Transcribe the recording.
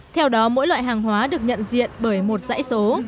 theo đó mỗi loại hàng hóa được nhận diện bởi một dãy số